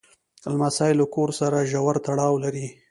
لمسی له کور سره ژور تړاو لري.